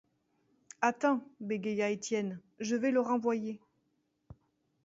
Attends, bégaya Étienne, je vais le renvoyer.